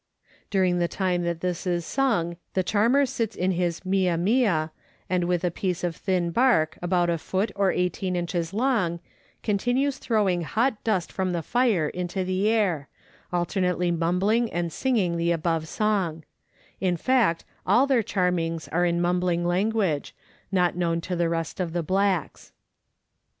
l During the time that this is sung the charmer sits in his mia mia, and with a piece of thin bark, about a foot or eighteen inches long, continues throwing hot dust from the fire into the air, alternately mumbling and singing the above song ; in fact, all their charmings are in mumbling language, not known to the rest of the blacks.